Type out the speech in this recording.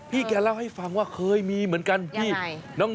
แกเล่าให้ฟังว่าเคยมีเหมือนกันที่น้อง